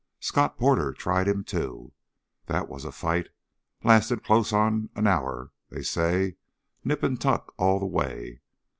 Scott Porter tried him, too. That was a fight! Lasted close onto an hour, they say, nip and tuck all the way.